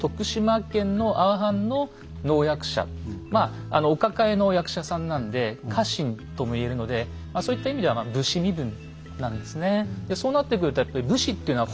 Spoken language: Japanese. まあお抱えの役者さんなんで家臣とも言えるのでそういった意味では武士身分なんですね。